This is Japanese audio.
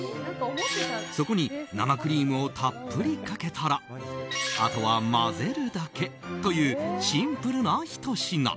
そこに生クリームをたっぷりかけたらあとは混ぜるだけというシンプルな一品。